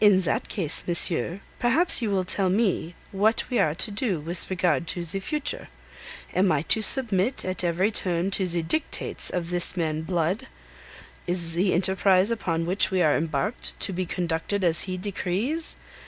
"In that case, monsieur, perhaps you will tell me what we are to do with regard to the future. Am I to submit at every turn to the dictates of this man Blood? Is the enterprise upon which we are embarked to be conducted as he decrees?